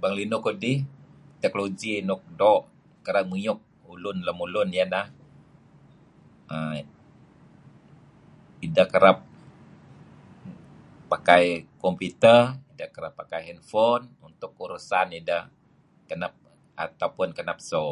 Bang linuh kudih technology nuk doo' kereb ngiyuk ulun lemulun iyeh neh err ideh kereb pakai computer ideh kereb pakai handfon untuk urusan ideh kenep so.